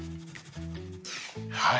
はい。